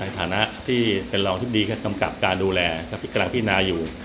ฐานะที่เป็นรองอธิบดีแค่กำกับการดูแลกำลังพินาอยู่